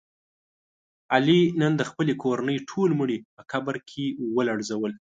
علي نن د خپلې کورنۍ ټول مړي په قبر کې ولړزول.